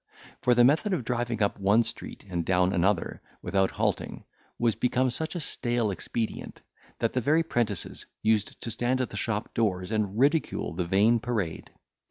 For the method of driving up one street and down another, without halting, was become such a stale expedient, that the very 'prentices used to stand at the shop doors, and ridicule the vain parade.